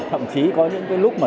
thậm chí có những cái lúc mà